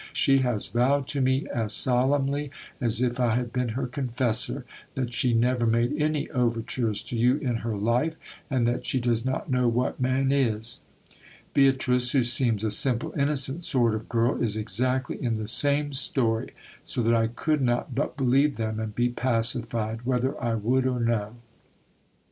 She has vowed to me as solemnly as if I had been her confessor, that she never made any overtures to you in her life, and that she does not know what man is. Beatrice, who seems a simple, innocent sort of girl, is exactly in the same story, so that I could not but believe them and be pacified, whether I would or no.